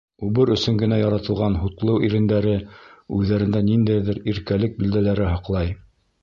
Үбер өсөн генә яратылған һутлы ирендәре үҙҙәрендә ниндәйҙер иркәлек билдәләре һаҡлай.